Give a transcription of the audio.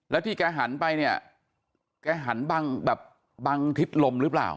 แล้วที่แกหันไปแกหันบังทิศลมหรือเปล่า